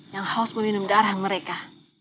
yang haus melinum darah mereka